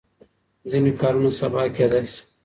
ځینې کارونه سبا کېدای شي.